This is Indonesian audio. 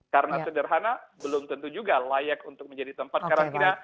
karena sederhana belum tentu juga layak untuk menjadi tempat karantina